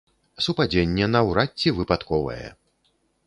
Супадзенне наўрад ці выпадковае.